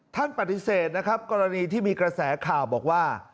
ท่านปฏิเสธนะครับกรณีที่มีกระแสข่าวบอกว่า